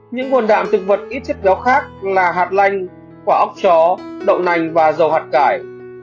những quần đạm thực vật ít chất béo khác là hạt lanh quả ốc chó đậu nành và dầu hạt cải